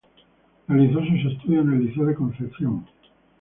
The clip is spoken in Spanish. Realizó sus estudios en el Liceo de Concepción.